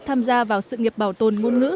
tham gia vào sự nghiệp bảo tồn ngôn ngữ